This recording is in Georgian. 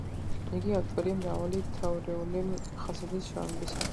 იგი ავტორია მრავალი თეორიული ხასიათის შრომებისა,